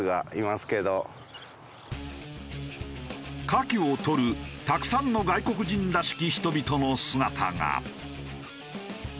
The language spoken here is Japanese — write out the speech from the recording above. カキを採るたくさんの外国人らしき人々の姿が。